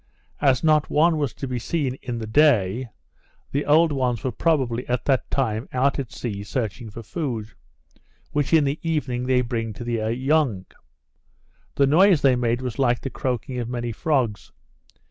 As not one was to be seen in the day, the old ones were probably, at that time, out at sea searching for food, which in the evening they bring to their young. The noise they made was like the croaking of many frogs.